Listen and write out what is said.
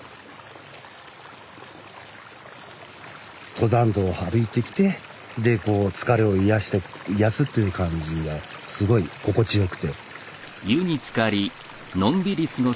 登山道を歩いてきてでこう疲れを癒やして癒やすっていう感じがすごい心地よくて。